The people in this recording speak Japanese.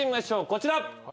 こちら。